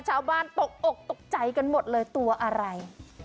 ชาวบ้านตกออกตกใจกันหมดเลยตัวอะไร